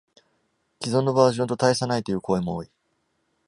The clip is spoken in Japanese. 既存のバージョンと大差ないという声も多い